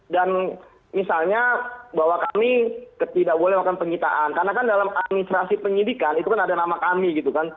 dan misalnya bahwa kami tidak boleh makan penyitaan karena kan dalam administrasi penyidikan itu kan ada nama kami gitu kan